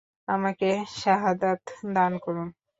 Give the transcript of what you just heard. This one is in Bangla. আমাকে শাহাদাত দান করুন।